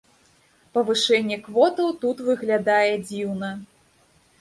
Павышэнне квотаў тут выглядае дзіўна.